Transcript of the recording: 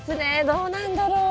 どうなんだろう？